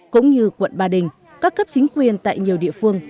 cũng như quận ba đình các cấp chính quyền tại nhiều địa phương